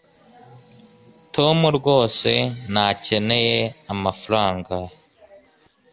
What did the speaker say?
tom rwose ntakeneye amafaranga